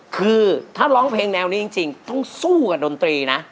คือถ้าร้องเพลงแนวนี้จริงต้องสู้กับดนตรีนะ